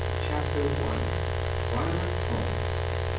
CHAPTER I. VIOLET'S HOME.